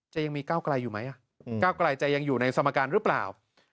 จะยังมีก้าวกะไรอยู่ไหมจะยังอยู่ในสมการหรือเปล่า